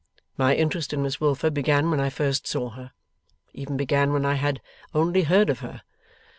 My interest in Miss Wilfer began when I first saw her; even began when I had only heard of her.